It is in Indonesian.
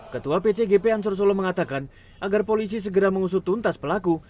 ketua pcgp ansor solo mengatakan agar polisi segera mengusut tuntas pelaku